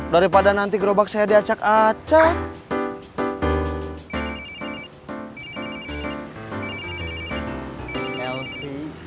daripada nanti gerobak saya diacak acau